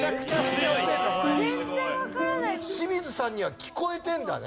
清水さんには聴こえてるんだね。